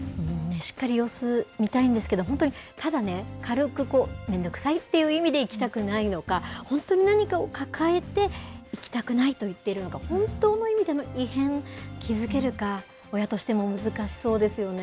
しっかり様子見たいんですけど、本当に、ただね、軽く、めんどくさいという意味で行きたくないのか、本当に何かを抱えて行きたくないと言っているのか、本当の意味での異変、気付けるか、親としても難しそうですよね。